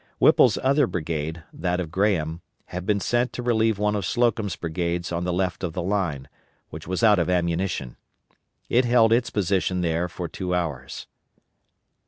Whipple's other brigade, that of Graham, had been sent to relieve one of Slocum's brigades on the left of the line, which was out of ammunition. It held its position there for two hours.